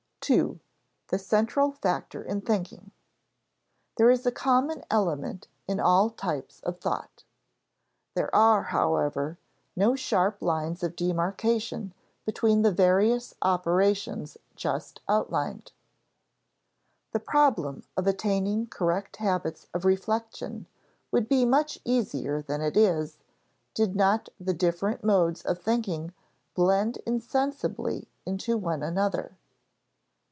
§ 2. The Central Factor in Thinking [Sidenote: There is a common element in all types of thought:] There are, however, no sharp lines of demarcation between the various operations just outlined. The problem of attaining correct habits of reflection would be much easier than it is, did not the different modes of thinking blend insensibly into one another.